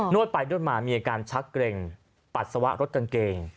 วดไปนวดมามีอาการชักเกร็งปัสสาวะรถกางเกง